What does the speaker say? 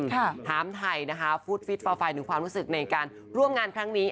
ถามไทยนะคะฟุตฟิตฟอร์ไฟถึงความรู้สึกในการร่วมงานครั้งนี้